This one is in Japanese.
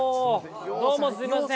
どうもすいません。